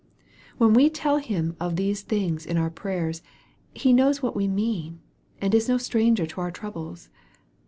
When we tell Him of these things in our prayers, He knows what we mean, and is no stranger to our troubles.